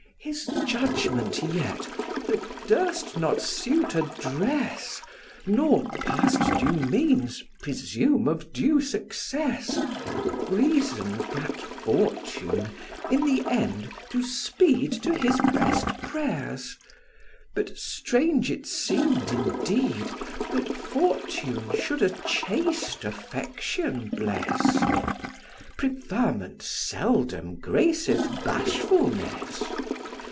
His judgment yet, that durst not suit address, Nor, past due means, presume of due success, Reason gat Fortune in the end to speed To his best prayers: but strange it seem'd, indeed, That Fortune should a chaste affection bless: Preferment seldom graceth bashfulness.